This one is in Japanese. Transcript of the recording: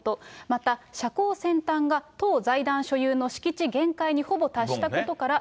また斜坑先端が当財団所有の敷地限界にほぼ達したことから。